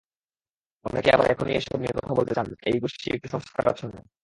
অনেকেই আবার এখনই এসব নিয়ে কথা বলতে চান না—এই গোষ্ঠী একটু সংস্কারাচ্ছন্ন।